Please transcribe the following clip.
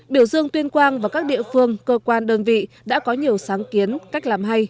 biểu dương tuyên quang và các địa phương cơ quan đơn vị đã có nhiều sáng kiến cách làm hay